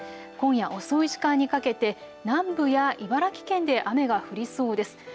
今夜遅い時間にかけて南部や茨城県で雨が降りそうです。